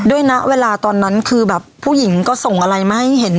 ด้วยนะเวลาตอนนั้นคือแบบผู้หญิงก็ส่งอะไรมาให้เห็น